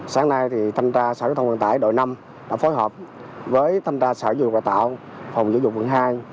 sáng nay thì thanh tra sở giáo dục đào tạo đội năm đã phối hợp với thanh tra sở giáo dục đào tạo phòng giáo dục vận hai